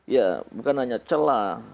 ya bukan hanya celah